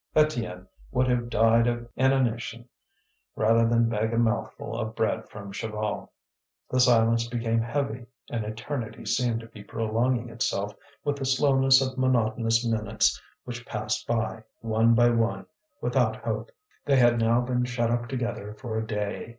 Étienne would have died of inanition rather than beg a mouthful of bread from Chaval. The silence became heavy; an eternity seemed to be prolonging itself with the slowness of monotonous minutes which passed by, one by one, without hope. They had now been shut up together for a day.